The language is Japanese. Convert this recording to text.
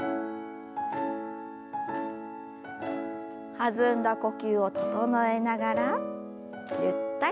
弾んだ呼吸を整えながらゆったりと。